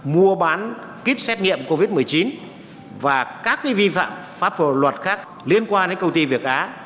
mua bán kit xét nghiệm covid một mươi chín và các vi phạm pháp luật khác liên quan đến công ty việt á